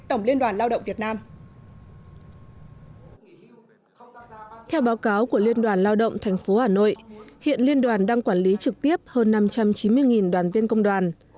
theo báo cáo của liên đoàn lao động tp hà nội hiện liên đoàn đang quản lý trực tiếp hơn năm trăm chín mươi đoàn viên công đoàn